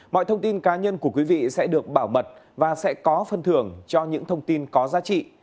mọi thông tin cá nhân của quý vị sẽ được bảo mật và sẽ có phân thưởng cho những thông tin có giá trị